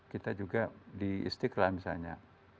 kita juga di istiqlal misalnya